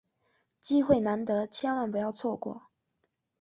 机会难得，千万不要错过！